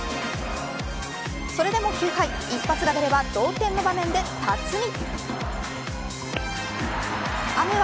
それでも、９回一発が出れば同点の場面で辰己。